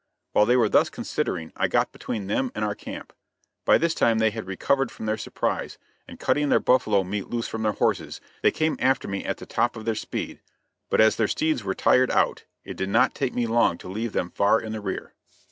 While they were thus considering, I got between them and our camp. By this time they had recovered from their surprise, and, cutting their buffalo meat loose from their horses, they came after me at the top of their speed; but as their steeds were tired out, it did not take me long to leave them far in the rear.